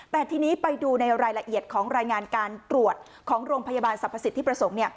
แต่ทีนี้ไปดูในรายละเอียดของรายงานการตรวจของโรงพยาบาลสรรพสิทธิประสงค์